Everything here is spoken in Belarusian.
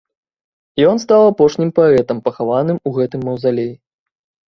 Ён стаў апошнім паэтам, пахаваным у гэтым маўзалеі.